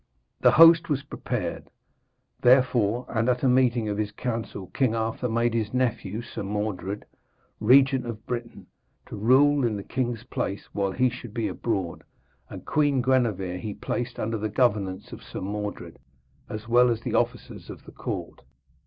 The host was prepared, therefore, and at a meeting of his council King Arthur made his nephew, Sir Mordred, Regent of Britain, to rule in the king's place while he should be abroad; and Queen Gwenevere he placed under the governance of Sir Mordred, as well as the officers of the court.